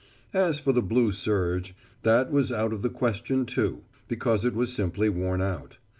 As for the blue serge, that was out of the question too, because it was simply worn out.